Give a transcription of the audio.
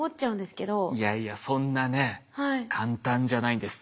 いやいやそんなね簡単じゃないんです。